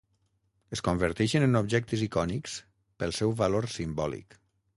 Es converteixen en objectes icònics pel seu valor simbòlic.